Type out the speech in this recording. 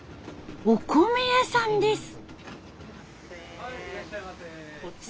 お米屋さんです。